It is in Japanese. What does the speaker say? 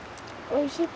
おいしい？